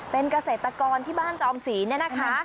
เป็นเกษตรกรที่บ้านจอมศรีเนี่ยนะคะ